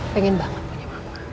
pengen banget punya mama